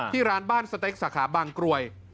ที่ร้านบ้านสเต็กสาขาบางกรวย